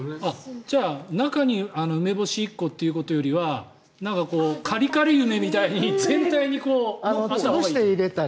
じゃあ中に梅干し１個ということよりはカリカリ梅みたいに全体にあったほうがいいと。